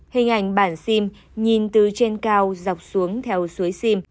hình ảnh bản sim nhìn từ trên cao dọc xuống theo suối sim